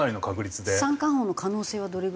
三冠王の可能性はどれぐらい？